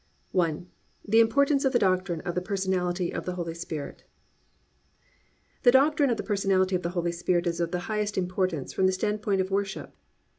I. THE IMPORTANCE OF THE DOCTRINE OF THE PERSONALITY OF THE HOLY SPIRIT 1. _The Doctrine of the Personality of the Holy Spirit is of the highest importance from the standpoint of worship.